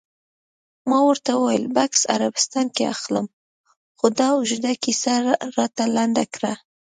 ما ورته وویل: بکس عربستان کې اخلم، خو دا اوږده کیسه راته لنډه کړه.